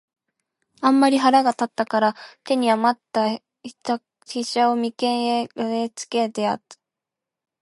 あんまり腹が立つたから、手に在つた飛車を眉間へ擲きつけてやつた。